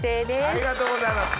ありがとうございます。